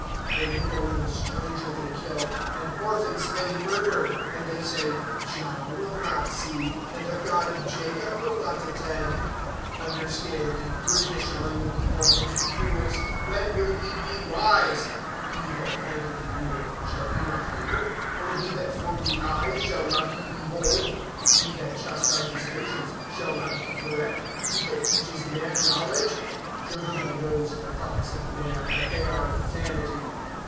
^ The widow and the stranger they kill, And orphans they murder. ^ And they say : Jah will not see , And the God of Jacob will not attend. 8 Understand, ye brutish among the people ; And ye fools, when will ye be wise ?" He that planted the ear, sball he not hear? Or he that formed the eye, shall not he behold ? i"> He that chastises nations, shall not he correct, He that teaches man knowledge ? 11 Jehovah knows the thoughts of man, That they are vanity.